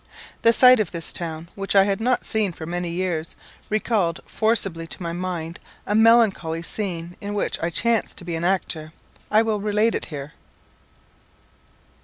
The sight of this town, which I had not seen for many years, recalled forcibly to my mind a melancholy scene in which I chanced to be an actor. I will relate it here.